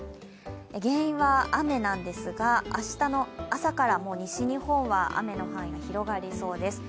原因は雨なんですが、明日の朝からもう西日本は雨の範囲が広がりそうです。